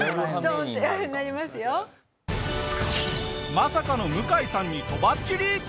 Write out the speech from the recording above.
まさかの向井さんにとばっちり！